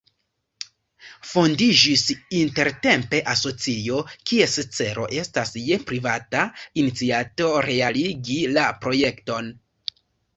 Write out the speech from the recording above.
Fondiĝis intertempe asocio, kies celo estas je privata iniciato realigi la projekton.